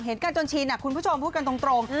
เห็นกันจนชินคุณผู้ชมพูดกันตรง